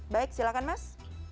baik silahkan mas